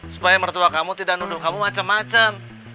supaya mertua kamu tidak nuduh kamu macem macem